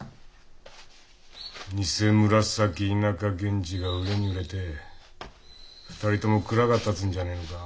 「偐紫田舎源氏」が売れに売れて２人とも蔵が建つんじゃねえのか？